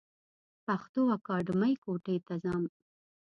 پښتو اکېډمۍ کوټي ته ځم.